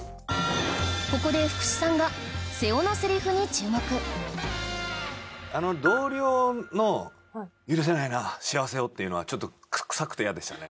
ここで福士さんがあの同僚の「許せないな幸せを」っていうのはちょっとくさくて嫌でしたね。